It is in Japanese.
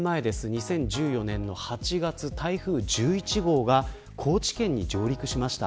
２０１４年の８月、台風１１号が高知県に上陸しました。